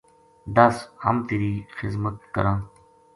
دس ! ہم تیری خذمت کراں‘‘